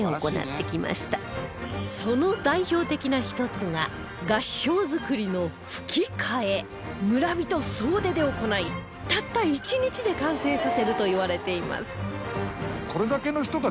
その代表的な１つが村人総出で行いたった１日で完成させるといわれています